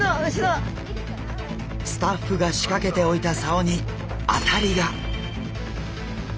スタッフが仕掛けておいた竿に当たりが！